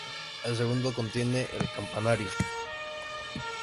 El segundo contiene el campanario.